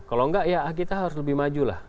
kalau enggak ya kita harus lebih maju lah